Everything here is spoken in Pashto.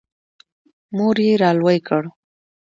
• مور یې را لوی کړ.